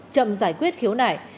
chậm giải quyết khiếu nải